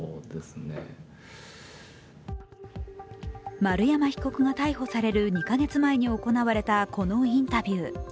丸山被告が逮捕される２か月前に行われたこのインタビュー。